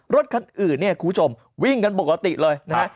รถคันอื่นเนี่ยคุณผู้ชมวิ่งกันปกติเลยนะ